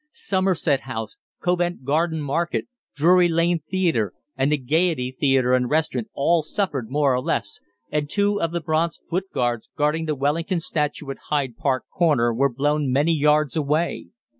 Somerset House, Covent Garden Market, Drury Lane Theatre, and the Gaiety Theatre and Restaurant all suffered more or less, and two of the bronze footguards guarding the Wellington Statue at Hyde Park Corner were blown many yards away.